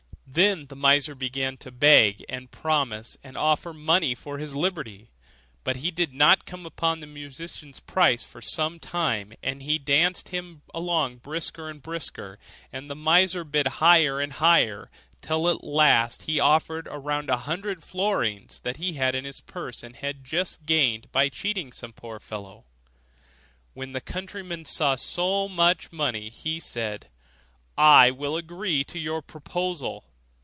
Then the miser began to beg and promise, and offered money for his liberty; but he did not come up to the musician's price for some time, and he danced him along brisker and brisker, and the miser bid higher and higher, till at last he offered a round hundred of florins that he had in his purse, and had just gained by cheating some poor fellow. When the countryman saw so much money, he said, 'I will agree to your proposal.